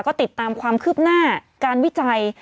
ก็ติดตามความคืบหน้าการวิจัย